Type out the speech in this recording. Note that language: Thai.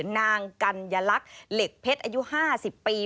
นางกัญลักษณ์เหล็กเพชรอายุ๕๐ปี